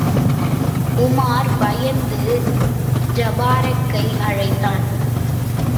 உமார் பயந்து ஜபாரக்கை அழைத்தான்.